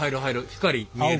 光見える。